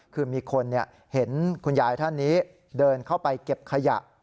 คือมีคนเห็นคุณยายท่านนี้เดินเข้าไปเก็บขยะ